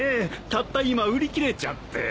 たった今売り切れちゃって。